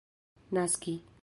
naski